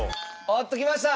おっときました！